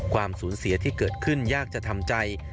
ความสูญเสียที่เกิดขึ้นยากจะทำใจ